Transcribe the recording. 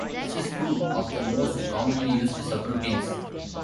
This is true of the most commonly used subroutines.